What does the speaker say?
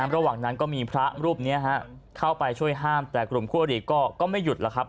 ระหว่างนั้นก็มีพระรูปนี้เข้าไปช่วยห้ามแต่กลุ่มคู่อดีตก็ไม่หยุดแล้วครับ